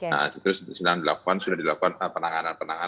nah setelah dilakukan sudah dilakukan penanganan penanganan gitu